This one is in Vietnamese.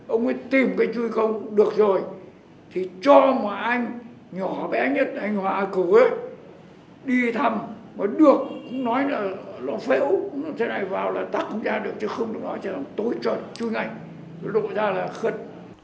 ông ấy tìm cái chui công được rồi thì cho mà anh nhỏ bé nhất anh hòa cổ ấy đi thăm mà được cũng nói là nó phễu nó thế này vào là tắt không ra được chứ không được nói cho nó tối trời chui ngay nó đổ ra là khất